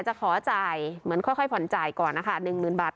จะขอจ่ายเหมือนค่อยผ่อนจ่ายก่อนนะคะหนึ่งหมื่นบาท